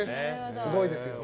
すごいですよね。